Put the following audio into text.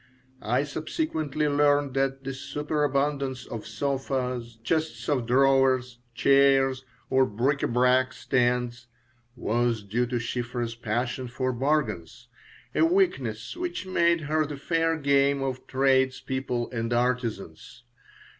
I subsequently learned that the superabundance of sofas, chests of drawers, chairs, or bric à brac stands was due to Shiphrah's passion for bargains, a weakness which made her the fair game of tradespeople and artisans.